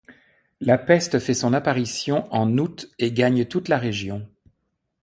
La peste fait son apparition en août et gagne toute la région.